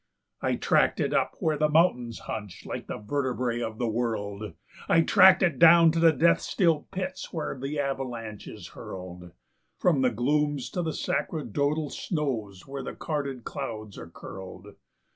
"I tracked it up where the mountains hunch like the vertebrae of the world; I tracked it down to the death still pits where the avalanche is hurled; From the glooms to the sacerdotal snows, where the carded clouds are curled.